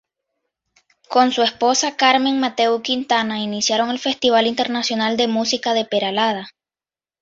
Con su esposa Carmen Mateu Quintana, iniciaron el Festival Internacional de Música de Peralada.